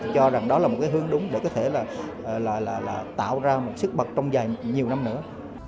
cho rằng đó là một hướng đúng để có thể tạo ra một sức mật trong nhiều năm nữa